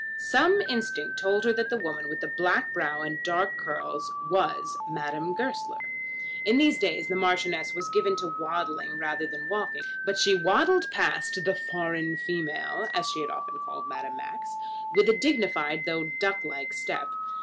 Some instinct told her that that woman with the black brow and the dark curls was Madame Goesler. In these days the Marchioness was given to waddling rather than to walking, but she waddled past the foreign female, as she had often called Madame Max, with a dignified though duck like step.